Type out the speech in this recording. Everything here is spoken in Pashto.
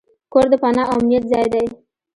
کور د پناه او امنیت ځای دی.